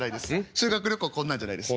修学旅行こんなんじゃないです。